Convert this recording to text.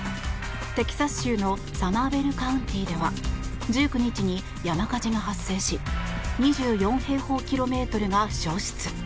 テキサス州のサマーベル・カウンティでは１９日に山火事が発生し２４平方キロメートルが焼失。